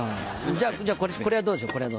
じゃこれはどうでしょう？